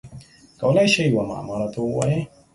کولای شی یوه معما راته ووایی؟